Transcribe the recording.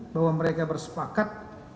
bahwa mereka bersepakat